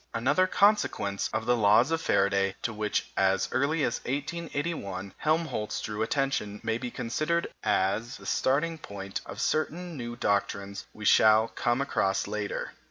Another consequence of the laws of Faraday, to which, as early as 1881, Helmholtz drew attention, may be considered as the starting point of certain new doctrines we shall come across later.